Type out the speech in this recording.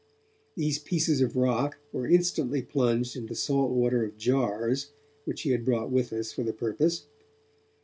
These pieces of rock were instantly plunged in the saltwater of jars which we had brought with us for the purpose.